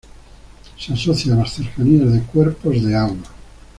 Se asocia a las cercanías de cuerpos de agua.